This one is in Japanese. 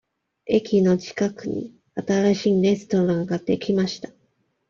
駅の近くに新しいレストランができました。